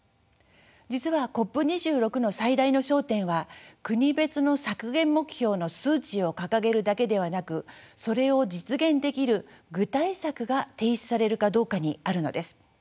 実はＣＯＰ２６の最大の焦点は国別の削減目標の数値を掲げるだけではなくそれを実現できる具体策が提出されるかどうかにあるのです。